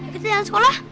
kita jalan sekolah